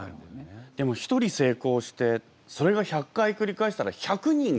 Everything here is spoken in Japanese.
でも一人成功してそれが１００回繰り返したら１００人が。